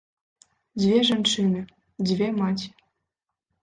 Дзве жанчыны, дзве маці.